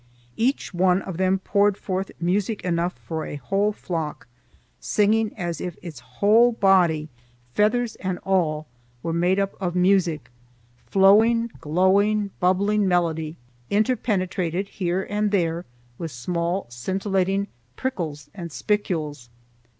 Each one of them poured forth music enough for a whole flock, singing as if its whole body, feathers and all, were made up of music, flowing, glowing, bubbling melody interpenetrated here and there with small scintillating prickles and spicules.